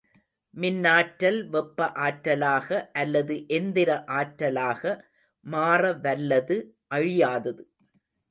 மின்னாற்றல் வெப்ப ஆற்றலாக அல்லது எந்திர ஆற்றலாக மாறவல்லது அழியாதது.